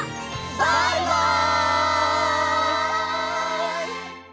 バイバイ！